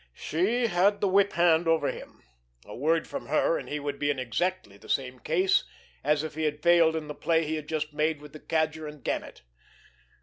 She had the whip hand over him. A word from her, and he would be in exactly the same case as if he had failed in the play he had just made with the Cadger and Gannet.